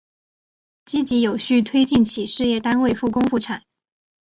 积极有序推进企事业单位复工复产